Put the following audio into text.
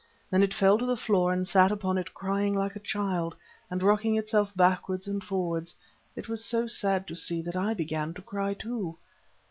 Then it fell to the floor, and sat upon it crying like a child, and rocking itself backwards and forwards. It was so sad to see it that I began to cry too.